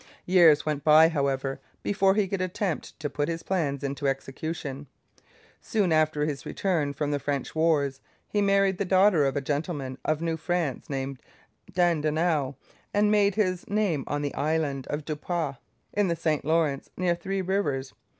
Years went by, however, before he could attempt to put his plans into execution. Soon after his return from the French wars, he married the daughter of a gentleman of New France named Dandonneau and made his home on the island of Dupas in the St Lawrence, near Three Rivers.